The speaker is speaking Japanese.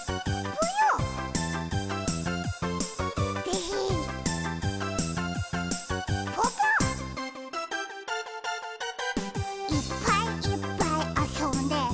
ぽぽ「いっぱいいっぱいあそんで」